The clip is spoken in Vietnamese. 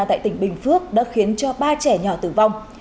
tại tỉnh bình phước đã khiến cho ba trẻ nhỏ tử vong